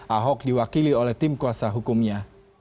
ahok diwakili oleh tim kuasa hukumnya